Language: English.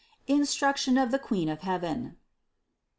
INSTRUCTION OF THE QUEEN OF HEAVEN.